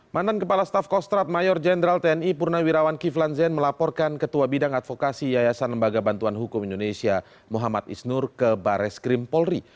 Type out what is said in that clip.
mantan kepala staf kostrat mayor jenderal tni purnawirawan kiflan zen melaporkan ketua bidang advokasi yayasan lembaga bantuan hukum indonesia muhammad isnur ke bares krim polri